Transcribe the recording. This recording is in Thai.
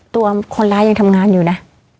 ตัวคนร้ายยังทำงานอยู่นะ